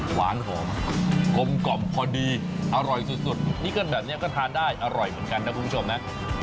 หวานหอมกลมกล่อมพอดีอร่อยสุดนี่ก็แบบนี้ก็ทานได้อร่อยเหมือนกันนะคุณผู้ชมนะ